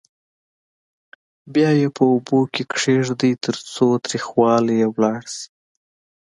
بیا یې په اوبو کې کېږدئ ترڅو تریخوالی یې لاړ شي.